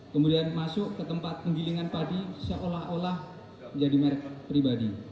kemudian masuk ke tempat penggilingan padi seolah olah menjadi merek pribadi